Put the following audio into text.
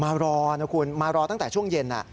รอนะคุณมารอตั้งแต่ช่วงเย็น